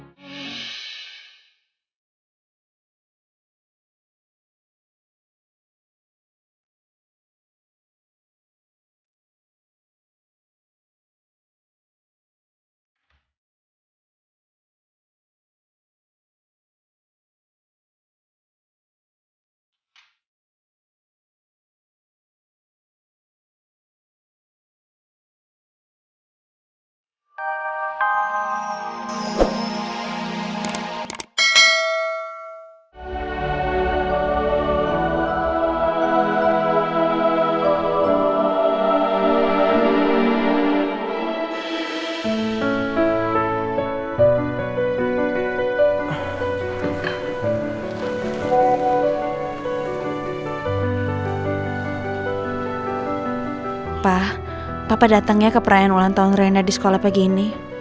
ketika datangnya ke perayaan ulang tahun reina di sekolah pagi ini